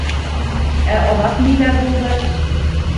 — Ә аҙаҡ ниҙәр булды?